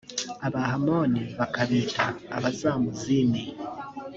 abahamoni bakabita abazamuzimi: